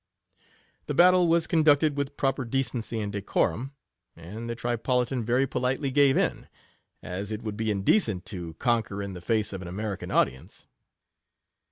The battle was conducted with proper decency and decorum, and the Tri politan very politely gave in — as it would be indecent to conquer in the face of an Aiim ri can audience.